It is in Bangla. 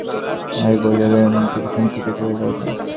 এই বলিয়া বিনোদিনী কিছুক্ষণ চুপ করিয়া রহিল।